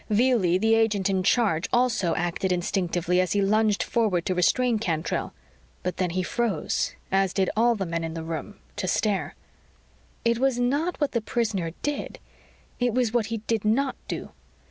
Velie, the agent in charge, also acted instinctively as he lunged forward to restrain Cantrell. But then he froze, as did all the men in the room, to stare. It was not what the prisoner did; it was what he did not do.